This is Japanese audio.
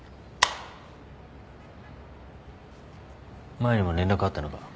前にも連絡あったのか？